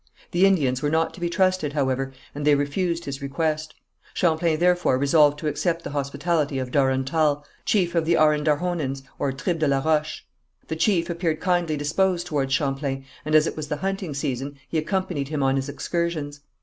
The Indians were not to be trusted, however, and they refused his request. Champlain, therefore, resolved to accept the hospitality of Darontal, chief of the Arendarrhonons, or tribe de la Roche. The chief appeared kindly disposed towards Champlain, and as it was the hunting season, he accompanied him on his excursions.